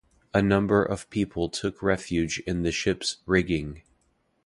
A number of people took refuge in the ship's rigging.